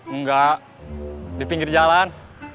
enggak di pinggir jalan